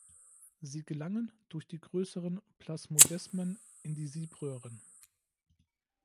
Sie gelangen durch die größeren Plasmodesmen in die Siebröhren.